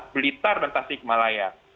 di kota sikmalaya